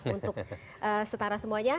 untuk setara semuanya